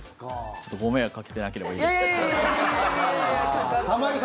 ご迷惑かけてなければいいですけど。